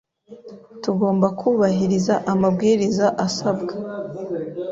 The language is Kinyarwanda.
Tugomba kubahiriza amabwiriza asabwa